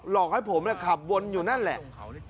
อกให้ผมขับวนอยู่นั่นแหละ